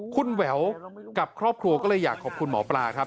คุณแหววกับครอบครัวก็เลยอยากขอบคุณหมอปลาครับ